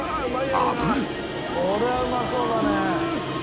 これはうまそうだね。